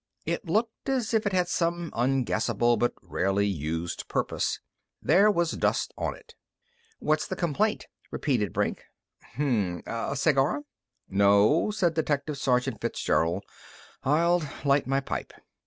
It looked as if it had some unguessable but rarely used purpose. There was dust on it. "What's the complaint?" repeated Brink. "Hm m m. A cigar?" "No," said Detective Sergeant Fitzgerald. "I'll light my pipe."